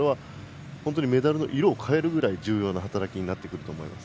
本当にメダルの色を変えるぐらい重要な働きになってくると思います。